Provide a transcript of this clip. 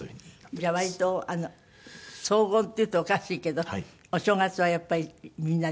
じゃあ割と荘厳っていうとおかしいけどお正月はやっぱりみんなで？